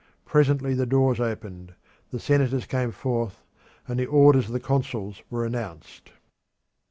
Presently the doors opened; the senators came forth, and the orders of the consuls were announced.